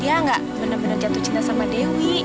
dia nggak bener bener jatuh cinta sama dewi